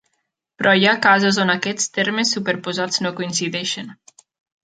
Però hi ha casos on aquests termes superposats no coincideixen.